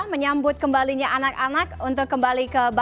menyambut kembalinya anak anak untuk kembali ke bahasa indonesia